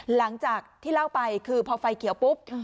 หลังจากที่เล่าไปคือพอไฟเขียวปุ๊บ